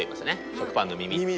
食パンの耳。